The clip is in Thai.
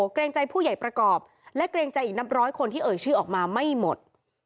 เกรงใจผู้ใหญ่ประกอบและเกรงใจอีกนับร้อยคนที่เอ่ยชื่อออกมาไม่หมด